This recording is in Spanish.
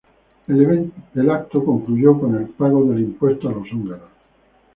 El evento concluyó con el pago del impuesto a los húngaros.